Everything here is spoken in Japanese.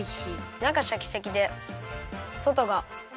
なかシャキシャキでそとがふわふわ。